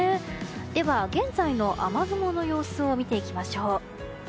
では、現在の雨雲の様子を見ていきましょう。